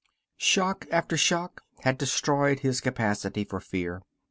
Shock after shock had destroyed his capacity for fear.